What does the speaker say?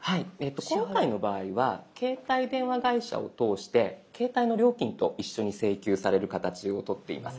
今回の場合は携帯電話会社を通して携帯の料金と一緒に請求される形をとっています。